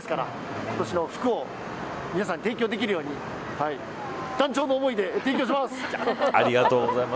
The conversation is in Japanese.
今年の福を皆さんに提供できるように断腸の思いで提供します。